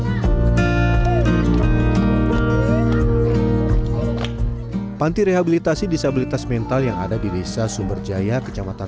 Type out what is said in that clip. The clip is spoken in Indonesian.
sejak tahun seribu sembilan ratus sembilan puluh dua panti rehabilitasi disabilitas mental yang ada di desa sumberjaya kecamatan